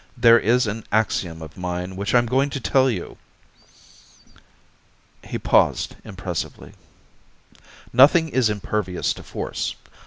There is an axiom of mine which I am going to tell you." He paused impressively. "Nothing is impervious to force.